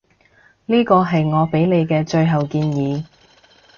呢個係我畀你嘅最後建議